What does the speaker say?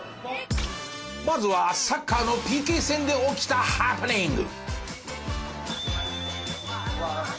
まずはサッカーのＰＫ戦で起きたハプニング。